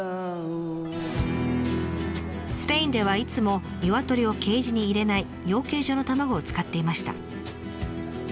スペインではいつもニワトリをケージに入れない養鶏場の卵を使っていました。